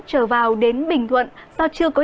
trở vào đến bình thuận do chưa có